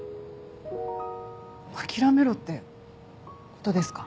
諦めろってことですか？